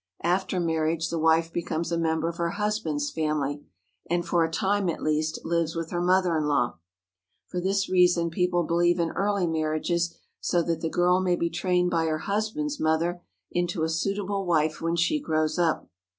After marriage the wife becomes a member of her hus band's family, and, for a time at least, lives with her mother in law. For this reason people believe in early marriages, so that the girl may be trained by her hus band's mother into a suitable wife when she grows up.